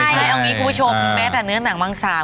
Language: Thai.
เพียงมีผู้ชมแม้แต่เนื้อนหนังวังสาว